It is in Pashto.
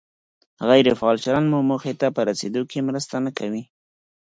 غیر فعال چلند مو موخې ته په رسېدو کې مرسته نه کوي.